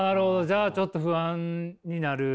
じゃあちょっと不安になる。